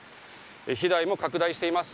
被害も拡大しています。